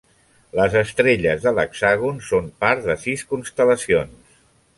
Les estrelles de l'hexàgon són part de sis constel·lacions.